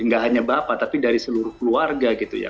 nggak hanya bapak tapi dari seluruh keluarga gitu ya